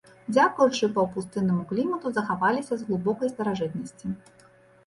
Дзякуючы паўпустыннаму клімату захаваліся з глыбокай старажытнасці.